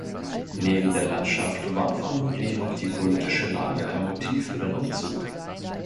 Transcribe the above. Neben der Landschaft war vermutlich auch die politische Lage ein Motiv für den Umzug.